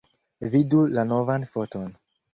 Vidu la novan foton.